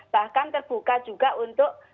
bahkan terbuka juga untuk